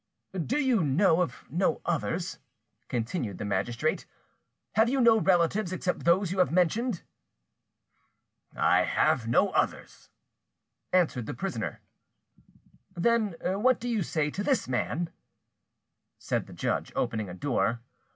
"Do you know of no others?" continued the magistrate. "Have you no relatives except those you have mentioned?" "I have no others," answered the prisoner. "Then what do you say to this man?" said the judge, opening a door.